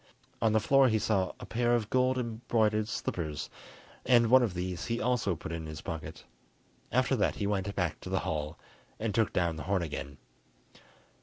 On the floor he saw a pair of gold embroidered slippers, and one of these he also put in his pocket. After that he went back to the hall, and took down the horn again.